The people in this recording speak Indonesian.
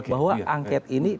bahwa angket ini